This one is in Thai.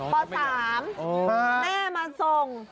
พอสามแม่มาส่ง